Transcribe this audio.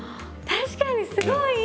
確かにすごいいい！